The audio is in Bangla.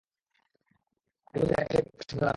আগে বুঝুন এটা একটা কিশোর সংশোধন কেন্দ্র।